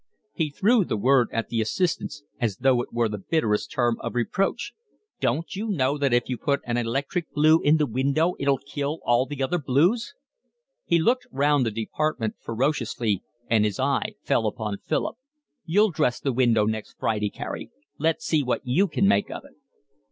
He threw the word at the assistants as though it were the bitterest term of reproach. "Don't you know that if you put an electric blue in the window it'll kill all the other blues?" He looked round the department ferociously, and his eye fell upon Philip. "You'll dress the window next Friday, Carey. Let's see what you can make of it."